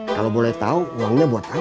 kalau boleh tau uangnya buat apa cuy